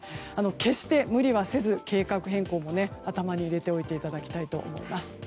決して無理はせず、計画変更も頭に入れておいていただきたいと思います。